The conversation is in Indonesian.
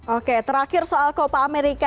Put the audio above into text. oke terakhir soal copa amerika